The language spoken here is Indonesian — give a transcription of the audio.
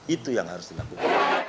itu yang harus dilakukan